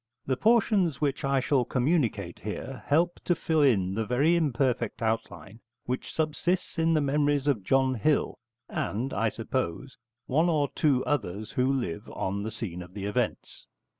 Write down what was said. The portions which I shall communicate here help to fill in the very imperfect outline which subsists in the memories of John Hill and, I suppose, one or two others who live on the scene of the events.